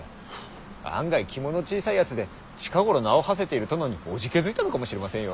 案外肝の小さいやつで近頃名をはせている殿に怖気づいたのかもしれませんよ。